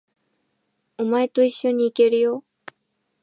お前と一緒に行けるよ。